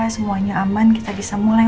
semuanya aman kita bisa mulai